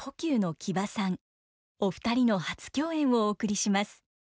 お二人の初共演をお送りします。